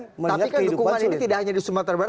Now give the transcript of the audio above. tapi kan dukungan ini tidak hanya di sumatera barat